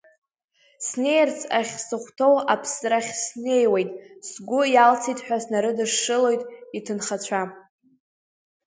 Снеирц ахьсыхәҭоу аԥсрахь снеиуеит, сгәы иалсит ҳәа снарыдашшылоит иҭынхацәа.